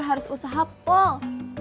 harus usaha pol